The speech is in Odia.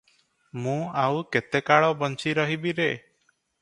ମୁଁ ଆଉ କେତେ କାଳ ବଞ୍ଚି ରହିବି ରେ!